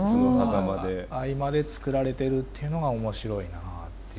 合間で作られてるっていうのが面白いなっていう。